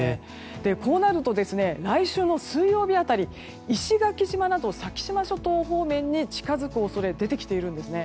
こうなると、来週の水曜日辺り石垣島など先島諸島方面に近づく恐れが出てきているんですね。